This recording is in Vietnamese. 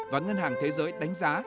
và ngân hàng thế giới đánh giá